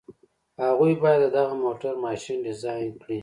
هغوی بايد د دغه موټر ماشين ډيزاين کړي.